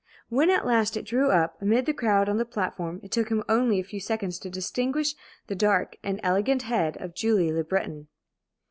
When at last it drew up, amid the crowd on the platform it took him only a few seconds to distinguish the dark and elegant head of Julie Le Breton.